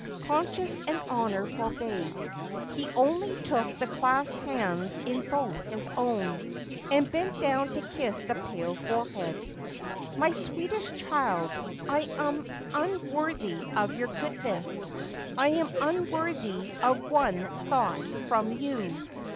Conscience and honour forbade. He only took the clasped hands in both his own, and bent down to kiss the pale forehead. ' My sweetest child, I am unworthy of your goodness. I am unworthy of one thought from you.